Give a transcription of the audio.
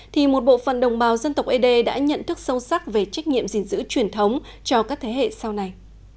thì một bộ phận đồng bào dân tộc ed đã nhận thức sâu sắc về trách nhiệm gìn giữ truyền thống cho các thế hệ sau này